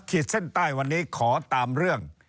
เส้นใต้วันนี้ขอตามเรื่อง